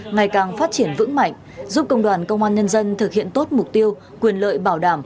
ngày càng phát triển vững mạnh giúp công đoàn công an nhân dân thực hiện tốt mục tiêu quyền lợi bảo đảm